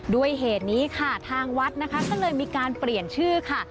ด้วยเหตุนี้ค่ะทางวัดนะคะก็เลยมีการเปลี่ยนชื่อค่ะ